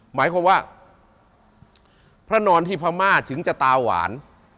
หมายความว่าพระนอนที่พม่าถึงจะตาหวาน